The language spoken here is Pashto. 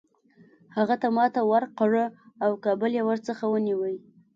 هغه ته ماته ورکړه او کابل یې ورڅخه ونیوی.